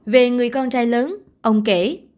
về người con trai lớn ông kể